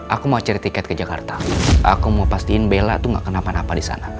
aku mau cari tiket ke jakarta aku mau pastiin bella tuh gak kena apa apa di sana